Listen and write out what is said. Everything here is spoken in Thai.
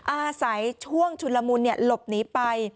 อาศัยช่วงชุนละมุนหลบหนีไป